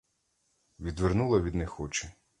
Відвернула від них очі.